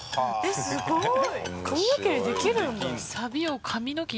すごーい。